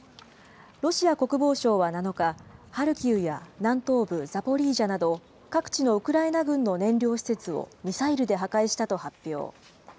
ロシア国防省は７日、ハルキウや、南東部ザポリージャなど、各地のウクライナ軍の燃料施設をミサイルで破壊したと発表。